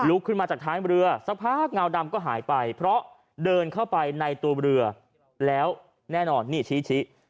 ขึ้นมาจากท้ายเรือสักพักเงาดำก็หายไปเพราะเดินเข้าไปในตัวเรือแล้วแน่นอนนี่ชี้ชี้